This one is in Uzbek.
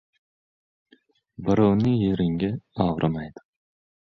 • Birovning yiringi og‘rimaydi.